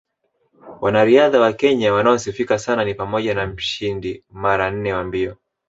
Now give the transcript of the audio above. Wanariadha wa Kenya wanaosifika sana ni pamoja na mshindi mara nne wa mbio